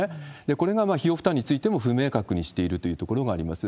これが費用負担についても不明確にしているというところはあります。